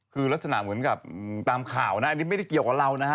คือลักษณะเหมือนกับตามข่าวนะอันนี้ไม่ได้เกี่ยวกับเรานะฮะ